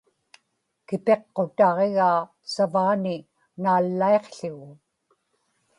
kipiqqutaġigaa savaani naallaiqł̣ugu